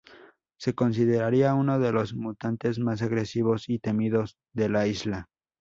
Se consideraría uno de los mutantes más agresivos y temidos de la isla.